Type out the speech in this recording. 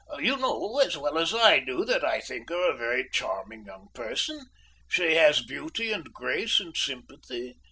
"You know as well as I do that I think her a very charming young person. She has beauty and grace and sympathy.